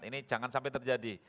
ini jangan sampai terjadi